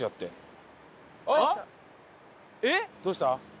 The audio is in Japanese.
どうした？